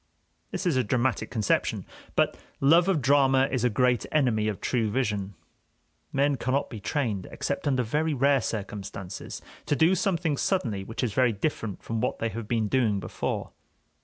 This is a dramatic conception; but love of drama is a great enemy of true vision. Men cannot be trained, except under very rare circumstances, to do something suddenly which is very different from what they have been doing before.